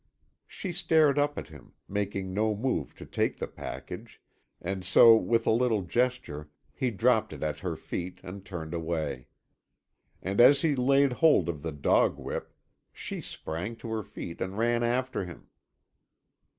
She stared up at him, making no move to take the package, and so with a little gesture he dropped it at her feet and turned away. And as he laid hold of the dog whip she sprang to her feet and ran after him.